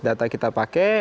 data kita pakai